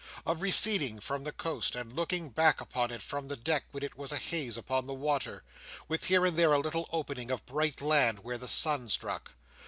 Of receding from the coast, and looking back upon it from the deck when it was a haze upon the water, with here and there a little opening of bright land where the Sun struck.